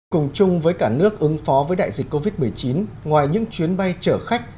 cùng chung với cả nước ứng phó với đại dịch covid một mươi chín ngoài những chuyến bay chở khách